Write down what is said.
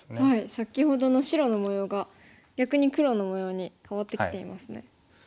先ほどの白の模様が逆に黒の模様に変わってきていますね。